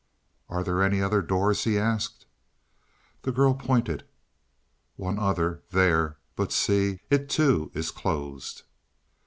"Are there any other doors?" he asked. The girl pointed. "One other, there but see, it, too, is closed."